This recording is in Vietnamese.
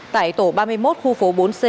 tại tổ ba mươi một khu phố bốn c